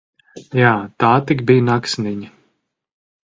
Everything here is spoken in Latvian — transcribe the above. Jā, tā tik bija naksniņa!